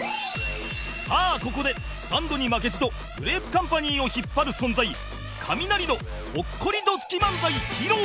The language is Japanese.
さあここでサンドに負けじとグレープカンパニーを引っ張る存在カミナリのほっこりどつき漫才披露